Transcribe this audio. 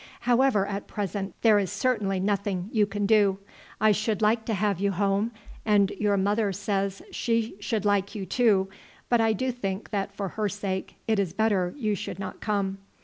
However, at present there is certainly nothing you can do. I should like to have you home, and your mother says she should like you too, but I do think that for her sake it is better you should not come.